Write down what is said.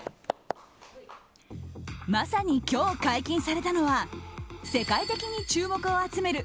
まさに今日解禁されたのは世界的に注目を集める